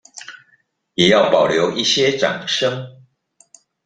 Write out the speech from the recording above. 也要保留一些掌聲